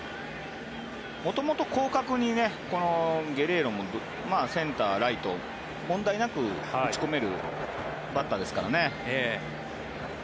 元々、広角にゲレーロもセンター、ライトに問題なく打ち込めるバッターですからね。